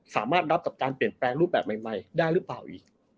สามารถรับกับการเปลี่ยนแปลงรูปแบบใหม่ได้หรือเปล่าอีก